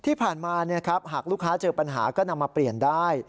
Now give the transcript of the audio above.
ที่ผ่านมาหากลูกค้าเจอปัญหาก็นำมาเปลี่ยนได้